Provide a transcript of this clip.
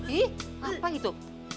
eh eh apa itu